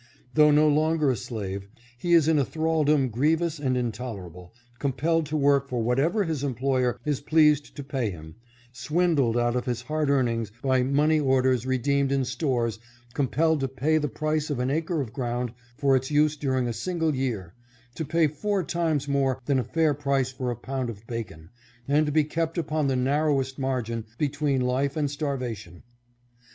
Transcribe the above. Though no longer a slave, he is in a thralldom grievous and intolerable, compelled to work for whatever his employer is pleased to pay him, swindled out of his hard earnings by money orders redeemed in stores, compelled to pav the price of an acre of ground for its use during a single year, to pay four times more than a fair price for a pound of bacon and to be kept upon the narrowest margin between life and starvation.